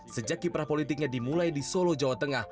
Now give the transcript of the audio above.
sejak kiprah politiknya dimulai di solo jawa tengah